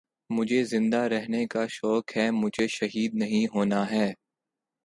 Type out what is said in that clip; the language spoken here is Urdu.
مجھے زندہ رہنے کا شوق ہے مجھے شہید نہیں ہونا ہے